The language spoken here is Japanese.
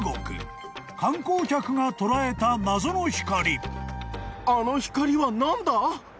［観光客が捉えた謎の光］